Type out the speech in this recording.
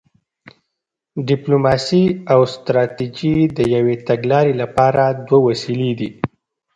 ډیپلوماسي او ستراتیژي د یوې تګلارې لپاره دوه وسیلې دي